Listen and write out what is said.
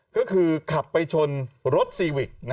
ก็คือขับไปชนรถซีวิก